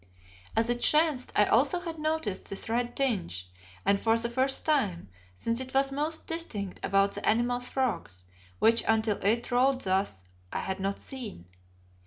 As it chanced I also had just noticed this red tinge, and for the first time, since it was most distinct about the animal's frogs, which until it rolled thus I had not seen.